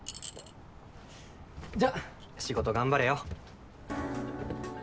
じゃ仕事頑張れよ。